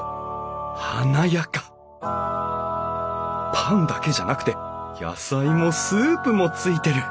パンだけじゃなくて野菜もスープもついてる！